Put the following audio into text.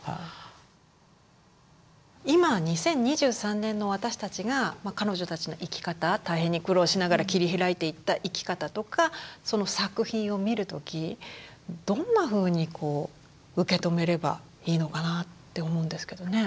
今２０２３年の私たちが彼女たちの生き方大変に苦労しながら切り開いていった生き方とかその作品を見る時どんなふうに受け止めればいいのかなって思うんですけどね。